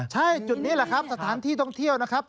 ใช่จุดนี้แหละครับสถานที่ท่องเที่ยวนะครับ